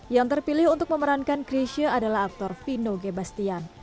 yang terpilih untuk memerankan krisha adalah aktor vino gebastian